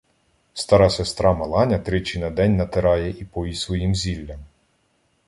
Стара сестра Маланя тричі на день натирає і поїть своїм зіллям.